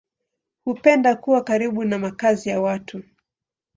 Hupenda kuwa karibu na makazi ya watu.